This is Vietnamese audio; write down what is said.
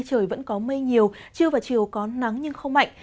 trời vẫn có mây nhiều trưa và chiều có nắng nhưng không mạnh